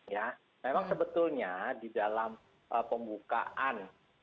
ya memang sebetulnya di dalam pembukaan